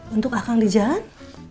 untuk akang di jalan